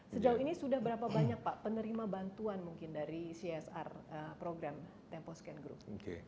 sejauh ini sudah berapa banyak pak penerima bantuan mungkin dari csr program tempo scan group